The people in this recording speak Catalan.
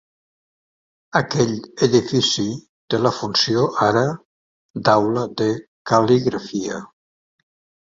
Aquell edifici té la funció ara d'aula de cal·ligrafia.